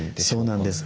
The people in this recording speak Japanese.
そうなんです。